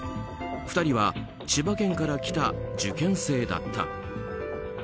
２人は千葉県から来た受験生だった。